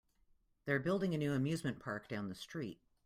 They're building a new amusement park down the street.